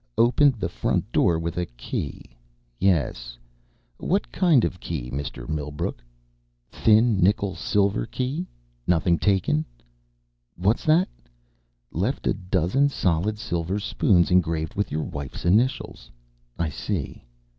Opened the front door with a key. Yes. What kind of a key, Mr. Millbrook? Thin, nickel silver key. Nothing taken? What's that? Left a dozen solid silver spoons engraved with your wife's initials? I see.